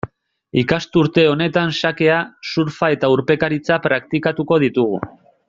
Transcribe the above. Ikasturte honetan xakea, surfa eta urpekaritza praktikatuko ditugu.